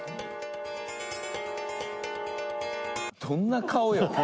どんな顔よ？